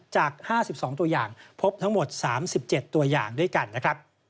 จาก๕๒ตัวอย่างพบทั้งหมด๓๗ตัวอย่างด้วยกันนะครับ